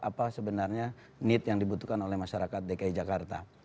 apa sebenarnya need yang dibutuhkan oleh masyarakat dki jakarta